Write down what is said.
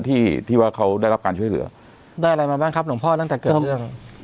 ที่ที่ว่าเขาได้รับการช่วยเหลือได้อะไรมาบ้างครับหลวงพ่อตั้งแต่เกิดเรื่อง